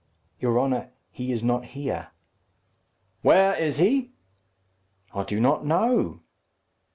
"Your honour, he is not here." "Where is he?" "I do not know."